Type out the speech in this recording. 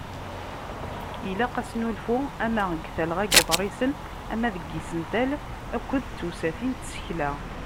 Ilaq asnulfu ama deg talɣa n yiḍrisen ama deg yisental akked tewsatin n tsekla.